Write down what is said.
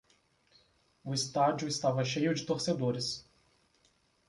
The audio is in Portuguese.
Os estádio estava cheio de torcedores